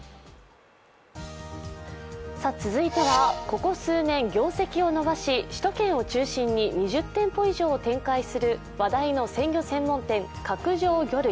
続いてはここ数年業績を伸ばし、首都圏を中心に２０店舗以上を展開する話題の鮮魚専門店・角上魚類。